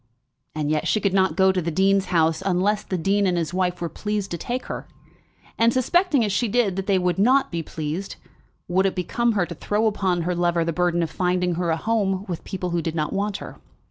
And yet she could not go to the dean's house unless the dean and his wife were pleased to take her; and, suspecting as she did, that they would not be pleased, would it become her to throw upon her lover the burthen of finding for her a home with people who did not want her?